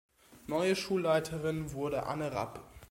Neue Schulleiterin wurde Anne Rapp.